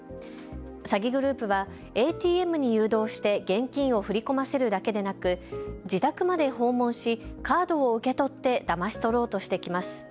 詐欺グループはＡＴＭに誘導して現金を振り込ませるだけでなく自宅まで訪問しカードを受け取ってだまし取ろうとしてきます。